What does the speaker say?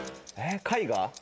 絵画？